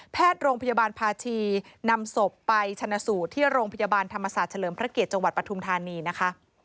โรงพยาบาลภาชีนำศพไปชนะสูตรที่โรงพยาบาลธรรมศาสตร์เฉลิมพระเกียรติจังหวัดปฐุมธานีนะคะ